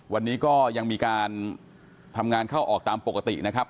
วันนี้ก็ยังมีการทำงานเข้าออกตามปกตินะครับ